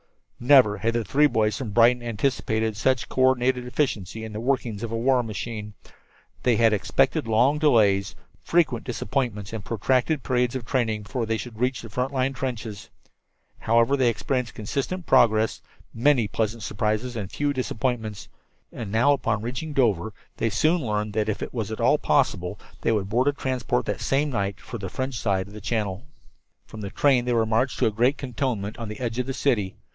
Never had the three boys from Brighton anticipated such co ordinated efficiency in the workings of a war machine. They had expected long delays, frequent disappointments and protracted periods of training before they should reach the front line trenches. Instead, they experienced consistent progress, many pleasant surprises and few disappointments; and now, upon reaching Dover, they soon learned that if it was at all possible they would board a transport that same night for the French side of the channel. From the train they were marched to a great cantonment on the edge of the city.